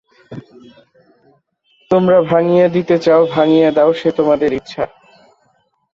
তোমরা ভাঙিয়া দিতে চাও ভাঙিয়া দাও–সে তোমাদের ইচ্ছা।